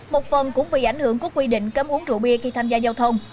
một phần cũng vì ảnh hưởng của quy định cấm uống rượu bia khi tham gia giao thông